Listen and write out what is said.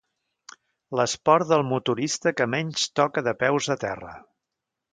L'esport del motorista que menys toca de peus a terra.